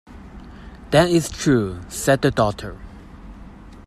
"That is true," said the doctor.